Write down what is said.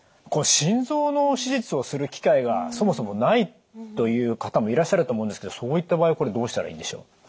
これ心臓の手術をする機会がそもそもないという方もいらっしゃると思うんですけどそういった場合これどうしたらいいんでしょう？